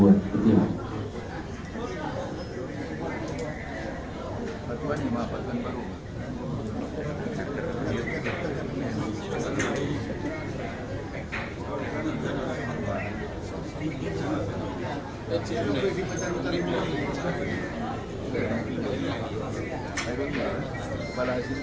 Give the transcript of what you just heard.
assalamualaikum warahmatullahi wabarakatuh